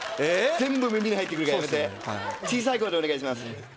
全部耳に入ってくるからやめて小さい声でお願いします